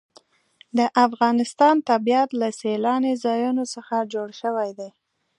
د افغانستان طبیعت له سیلاني ځایونو څخه جوړ شوی دی.